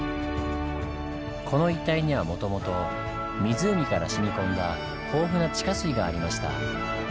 この一帯にはもともと湖からしみこんだ豊富な地下水がありました。